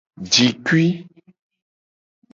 Jikui.